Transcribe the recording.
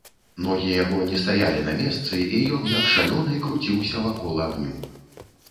Ногі яго не стаялі на месцы, і ён, як шалёны, круціўся вакол агню.